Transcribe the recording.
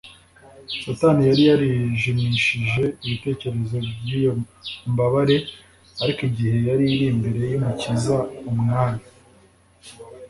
satani yari yarijimishije ibitekerezo by’iyo mbabare, ariko igihe yari iri imbere y’umukiza umwami